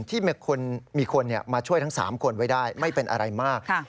ที่มีคนมาช่วยทั้ง๓คนไว้ได้ไม่เป็นอะไรมาก